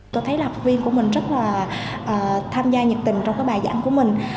tôi thấy là học viên của mình rất là tham gia nhiệt tình trong cái bài giảng của mình